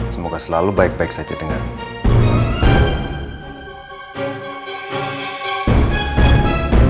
semoga selalu baik baik saja dengar